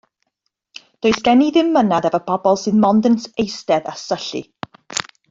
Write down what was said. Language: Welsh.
Does gen i ddim 'mynadd efo pobol sydd 'mond yn eistedd a syllu.